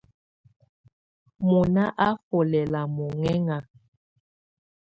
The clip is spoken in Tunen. Mɔná á nfɔ́ lɛla mɔŋɛŋa.